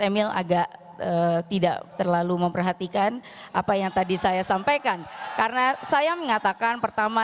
emil agak tidak terlalu memperhatikan apa yang tadi saya sampaikan karena saya mengatakan pertama